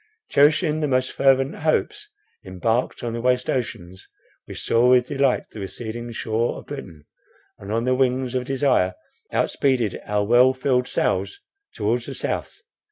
Cherishing the most fervent hopes, embarked on the waste ocean, we saw with delight the receding shore of Britain, and on the wings of desire outspeeded our well filled sails towards the South.